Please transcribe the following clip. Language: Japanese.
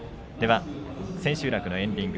千秋楽のエンディング